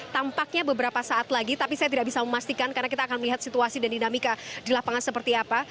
tampaknya beberapa saat lagi tapi saya tidak bisa memastikan karena kita akan melihat situasi dan dinamika di lapangan seperti apa